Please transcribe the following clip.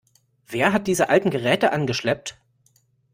Wer hat diese alten Geräte angeschleppt?